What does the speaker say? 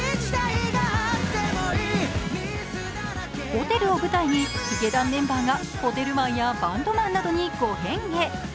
ホテルを舞台にヒゲダンメンバーがホテルマンやバンドマンなどに五変化。